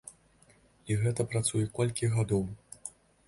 І гэта працуе колькі гадоў.